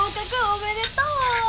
おめでとう！